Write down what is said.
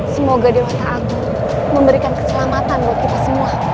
semoga dewata agung memberikan keselamatan buat kita semua